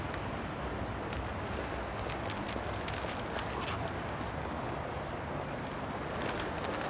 あっ！